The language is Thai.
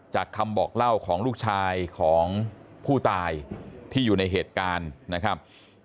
คำบอกเล่าของลูกชายของผู้ตายที่อยู่ในเหตุการณ์นะครับ